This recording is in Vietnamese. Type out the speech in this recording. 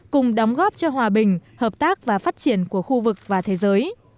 cùng đóng góp cho hòa bình hợp tác và phát triển của khu vực và thế giới